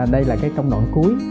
đây là cái công đoạn cuối